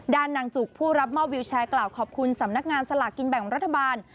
นางจุกผู้รับมอบวิวแชร์กล่าวขอบคุณสำนักงานสลากกินแบ่งรัฐบาล